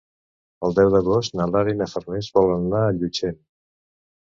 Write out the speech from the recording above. El deu d'agost na Lara i na Farners volen anar a Llutxent.